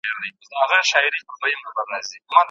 یوه مرکه کي کړي وي، چي «پټه خزانه» یې نه ده